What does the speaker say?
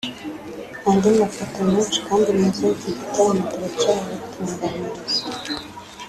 Andi mafoto menshi kandi meza y’iki gitaramo turacyayabatunganyiriza